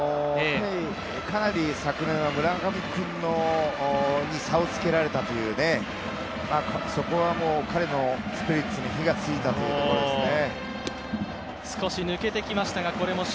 かなり昨年は村上君に差をつけられたという、そこが彼のスピリッツに火がついたということでしょうね。